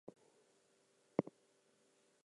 How in the world do you expect me to believe you?